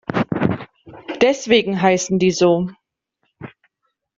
Deswegen heißen die so.